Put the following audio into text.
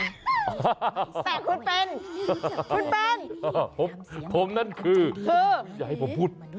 ความลับของแมวความลับของแมว